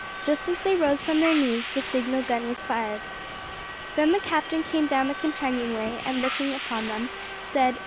Just as they rose from their knees the signal gun was fired. Then the captain came down the companionway and looking in upon them, said.